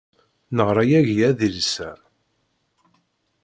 Neɣra yagi adlis-a.